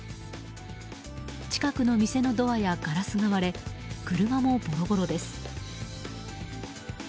近くの店のドアやガラスが割れ車もボロボロです。